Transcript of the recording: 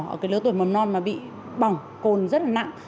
ở cái lứa tuổi mầm non mà bị bỏng cồn rất là nặng